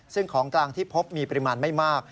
ซึ่งของกลางที่พบมีปริมาณไม่มาก